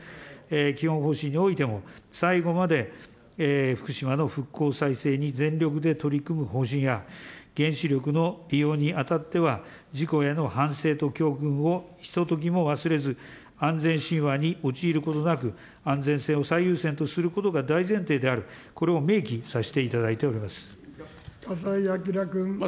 基本方針においても、最後まで福島の復興再生に全力で取り組む方針や、原子力の利用にあたっては、事故への反省と教訓をひとときも忘れず、安全神話に陥ることなく、安全性を最優先とすることが大前提である、これを明記させていただいております。